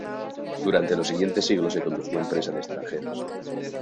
Durante los siguientes siglos se convirtió en presa de extranjeros.